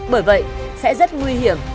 bởi vậy sẽ rất nguy hiểm